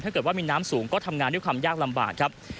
ถ้าเกิดว่ามีน้ำสูงก็ทำงานด้วยความยากลำบากครับ